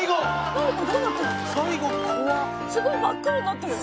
「すごい真っ黒になってる」